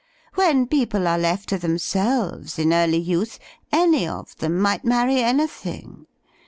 When people are left to themselves in early youth, any of them might marry anything.